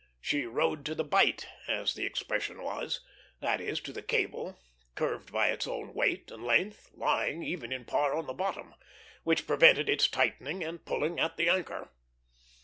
She "rode to the bight," as the expression was; that is, to the cable, curved by its own weight and length, lying even in part on the bottom, which prevented its tightening and pulling at the anchor.